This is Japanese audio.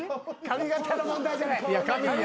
髪形の問題じゃない。